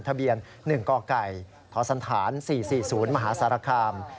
ทะเบียน๑กไก่ทศ๔๔๐มหาสารคาม